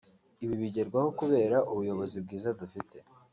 Ibi bigerwaho kubera ubuyobozi bwiza dufite